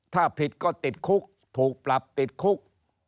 ถ้าผิดก็ติดคุกถูกปรับติดคุก